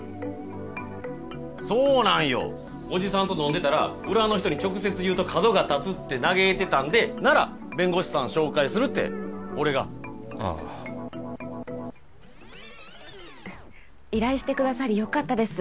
そうなんよおじさんと飲んでたら裏の人に直接言うと角が立つって嘆いてたんでなら弁護士さん紹介するって俺がはあ依頼してくださりよかったです